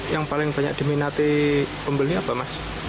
yang paling banyak diminati pembeli apa mas